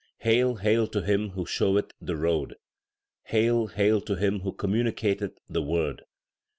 Hail, hail to him who showeth the road ! Hail, hail to him who communicateth the Word